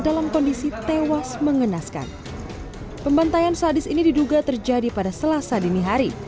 dalam kondisi tewas mengenaskan pembantaian sadis ini diduga terjadi pada selasa dini hari